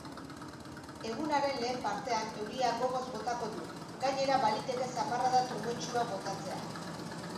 Egunaren lehen partean euria gogoz botako du, gainera baliteke zaparrada trumoitsuak botatzea.